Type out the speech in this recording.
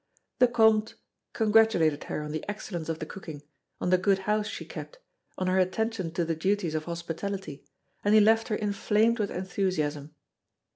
The Comte congratulated her on the excellence of the cooking, on the good house she kept, on her attention to the duties of hospitality, and he left her inflamed with enthusiasm.